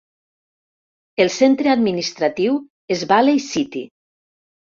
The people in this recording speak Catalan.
El centre administratiu és Valley City.